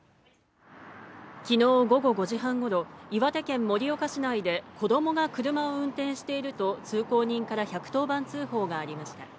昨日午後５時半頃、岩手県盛岡市内で子供が車を運転していると通行人から１１０番通報がありました。